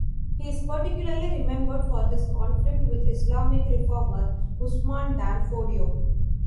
He is particularly remembered for his conflict with Islamic reformer Usman dan Fodio.